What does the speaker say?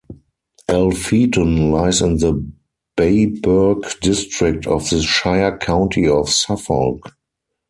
Alpheton lies in the Babergh district of the shire county of Suffolk.